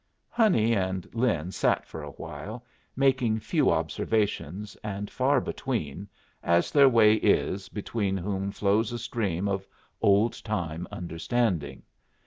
Honey and Lin sat for a while, making few observations and far between, as their way is between whom flows a stream of old time understanding.